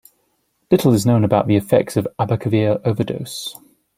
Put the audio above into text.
Little is known about the effects of Abacavir overdose.